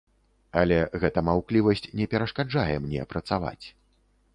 Але гэта маўклівасць не перашкаджае мне працаваць.